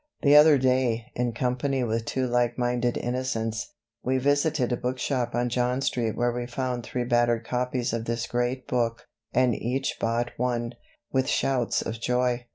The other day, in company with two like minded innocents, we visited a bookshop on John Street where we found three battered copies of this great book, and each bought one, with shouts of joy.